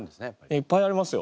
いっぱいありますよ。